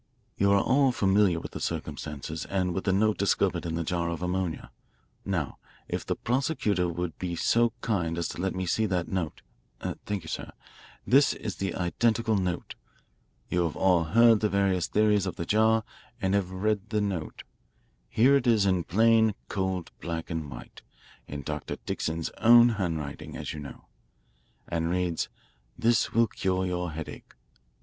You are all familiar with the circumstances and with the note discovered in the jar of ammonia. Now, if the prosecutor will be so kind as to let me see that note thank you, sir. This is the identical note. You have all heard the various theories of the jar and have read the note. Here it is in plain, cold black and white in Dr. Dixon's own handwriting, as you know, and reads: 'This will cure your headache. Dr.